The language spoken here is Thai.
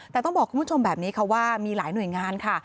แต่ต้องบอกคุณผู้ชมแบบนี้ค่ะว่ามีหลายหน่วยงานค่ะ